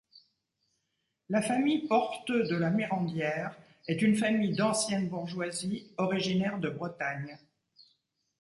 La famille Porteu de La Morandière est une famille d'ancienne bourgeoisie originaire de Bretagne.